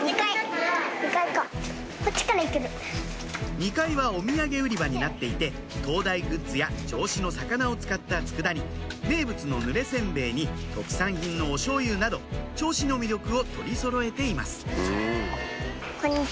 ２階はお土産売り場になっていて灯台グッズや銚子の魚を使った佃煮名物のぬれ煎餅に特産品のおしょうゆなど銚子の魅力を取りそろえています